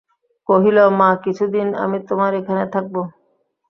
কহিল, মা, কিছুদিন আমি তোমার এখানে থাকব।